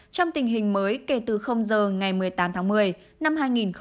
trong tình hình mới kể từ giờ ngày một mươi tám tháng một mươi năm hai nghìn một mươi tám